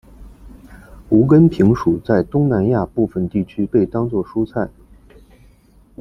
无根萍属在东南亚部份地区被当作蔬菜。